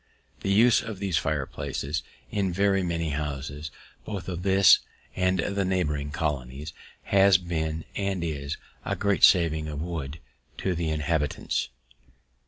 The use of these fireplaces in very many houses, both of this and the neighbouring colonies, has been, and is, a great saving of wood to the inhabitants.